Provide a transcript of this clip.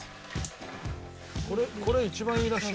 これ一番いいらしい。